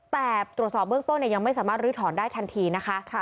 แต่ตรวจสอบเบื้องต้นยังไม่สามารถลื้อถอนได้ทันทีนะคะ